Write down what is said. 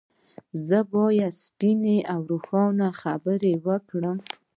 زه بايد يوه سپينه او روښانه خبره وکړم.